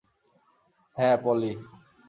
হ্যাঁ, পলি।